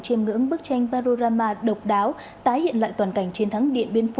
chêm ngưỡng bức tranh barorama độc đáo tái hiện lại toàn cảnh chiến thắng điện biên phủ